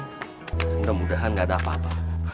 mudah mudahan gak ada apa apa